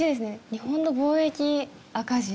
日本の貿易赤字？